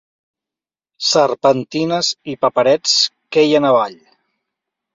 Serpentines i paperets queien avall.